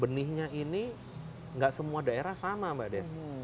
benihnya ini nggak semua daerah sama mbak des